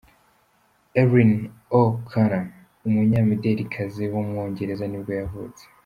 Erin O'Connor, umunyamidelikazi w’umwongereza nibwo yavutse.